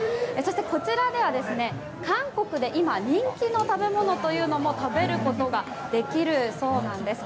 こちらでは、韓国で今、人気の食べ物というのも食べることができるそうです。